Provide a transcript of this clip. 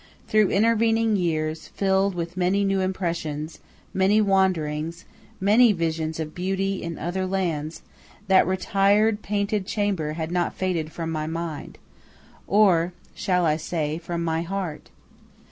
Through intervening years, filled with many new impressions, many wanderings, many visions of beauty in other lands, that retired, painted chamber had not faded from my mind or shall I say from my heart?